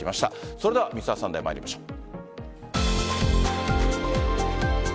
それでは「Ｍｒ．サンデー」参りましょう。